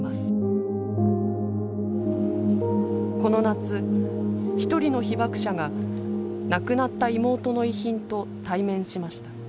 この夏一人の被爆者が亡くなった妹の遺品と対面しました。